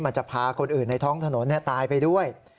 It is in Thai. จะพาคนอื่นในท้องถนนตายไปด้วย